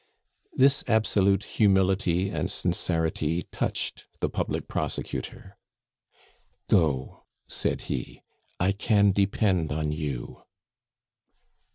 This absolute humility and sincerity touched the public prosecutor. "Go," said he; "I can depend on you."